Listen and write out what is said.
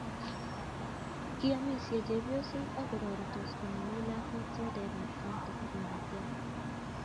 Kiomisie chepyosok ako roritos konamei lakwet sodekap fanta ak makatiat